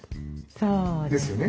そうですね。